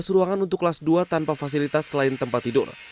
dua belas ruangan untuk kelas dua tanpa fasilitas selain tempat tidur